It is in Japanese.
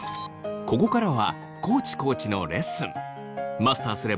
ここからは地コーチのレッスン。